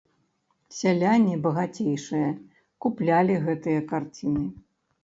Сяляне, багацейшыя, куплялі гэтыя карціны.